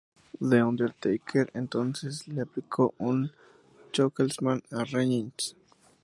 The Undertaker entonces le aplicó un "chokeslam" a Reigns.